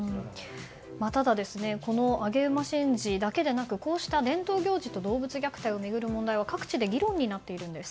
ただ、上げ馬神事だけでなくこうした伝統行事と動物虐待を巡る問題は各地で議論になっているんです。